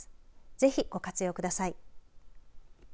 ぜひ、ご活用ください。